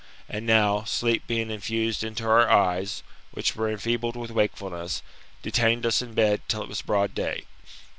And now, sleep being infused into our eyes, which were enfeebled with wakefulness, detained us in bed till it was broad day.